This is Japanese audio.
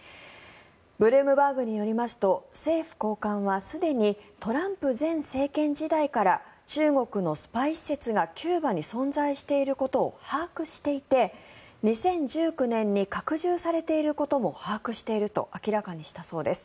ブルームバーグによりますと政府高官は、すでにトランプ前政権時代から中国のスパイ施設がキューバに存在していることを把握していて２０１９年に拡充されていることも把握していると明らかにしたそうです。